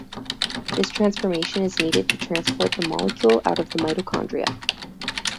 This transformation is needed to transport the molecule out of the mitochondria.